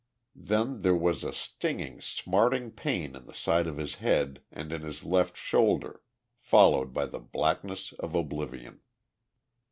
Then there was a stinging, smarting pain in the side of his head and in his left shoulder followed by the blackness of oblivion.